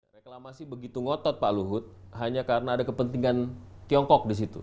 reklamasi begitu ngotot pak luhut hanya karena ada kepentingan tiongkok disitu